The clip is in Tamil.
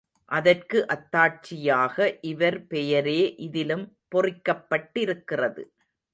அதற்கு அத்தாட்சியாக இவர் பெயரே இதிலும் பொறிக்கப் பட்டிருக்கிறது.